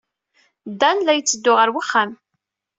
Dan la yetteddu ɣer wexxam.